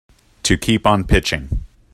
To keep on pitching.